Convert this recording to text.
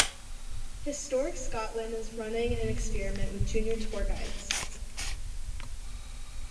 Historic Scotland is running an experiment with junior tour guides.